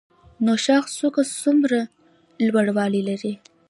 نوشاخ څوکه څومره لوړوالی لري؟